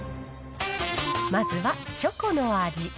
まずはチョコの味。